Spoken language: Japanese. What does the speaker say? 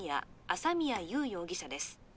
朝宮優容疑者です